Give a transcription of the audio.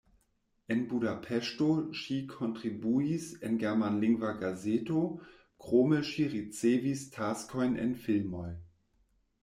En Budapeŝto ŝi kontribuis en germanlingva gazeto, krome ŝi ricevis taskojn en filmoj.